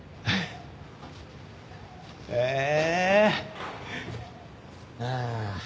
へえ！